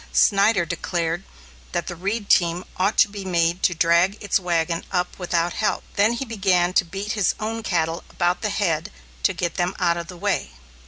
Snyder declared that the Reed team ought to be made to drag its wagon up without help. Then he began to beat his own cattle about the head to get them out of the way.